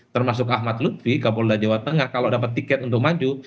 termasuk ahmad lutfi kapolda jawa tengah kalau dapat tiket untuk maju